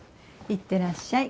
行ってらっしゃい。